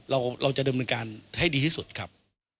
เราจะดำเนินการให้ดีที่สุดครับ